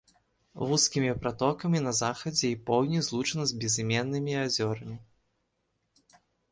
Вузкімі пратокамі на захадзе і поўдні злучана з безыменнымі азёрамі.